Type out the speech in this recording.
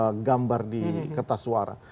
jadi gambar di kertas suara